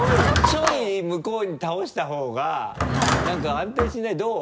ちょい向こうに倒したほうが何か安定しない？どう？